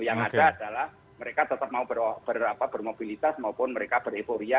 yang ada adalah mereka tetap mau bermobilitas maupun mereka bereporia